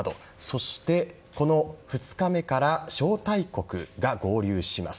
そして、この２日目から招待国が合流します。